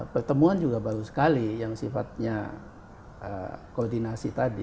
pertemuan juga baru sekali yang sifatnya koordinasi tadi